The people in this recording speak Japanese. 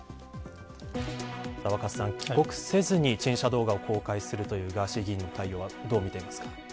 若狭さん、帰国せずに陳謝動画を公開するというガーシー議員の対応はどう見ていますか。